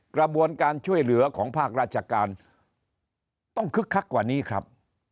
กระบวนการช่วยเหลือของภาคราชการต้องคึกคักกว่านี้ครับ